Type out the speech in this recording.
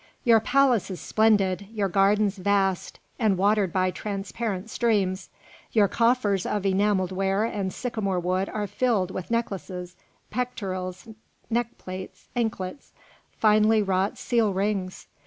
Your palace is splendid, your gardens vast and watered by transparent streams, your coffers of enamelled ware and sycamore wood are filled with necklaces, pectorals, neck plates, anklets, finely wrought seal rings.